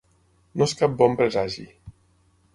No és cap bon presagi.